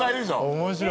面白い。